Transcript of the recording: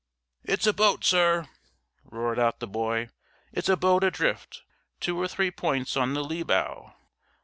"It's a boat, sir!" roared out the boy. "It's a boat adrift, two or three points on the lee bow."